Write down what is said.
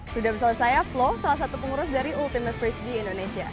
sudah bersama saya flo salah satu pengurus dari ultimate frisbee indonesia